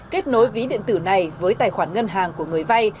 kết nối ví điện tử này với tài khoản ngân hàng của người vay